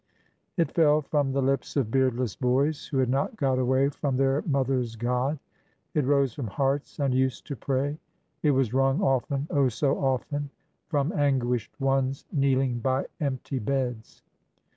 It fell from the lips of beardless boys who had not got away from their mothers^ God ; it rose from hearts unused to pray ; it was wrung often— oh, so often!— from anguished ones kneeling by empty beds